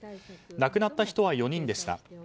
亡くなった人は４人でした。